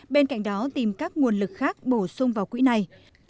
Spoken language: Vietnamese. bên cạnh đó tìm các nguồn lực khác bổ sung vào quỹ này